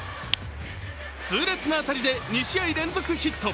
痛烈な当たりで２試合連続ヒット。